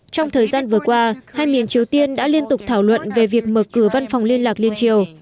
trong thời gian vừa qua hai miền triều tiên đã liên tục thảo luận về việc mở cửa văn phòng liên lạc liên triều